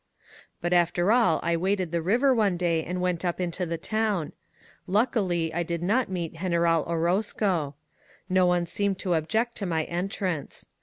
But after all I waded the river one day and went up into/the town. Luckily, I did not meet General Orozeo. No one seemed to object to my entrance.